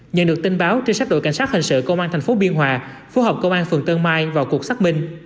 nhận được tin báo trinh sát đội cảnh sát hình sự công an tp biên hòa phối hợp công an phường tân mai vào cuộc xác minh